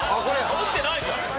かぶってないじゃん」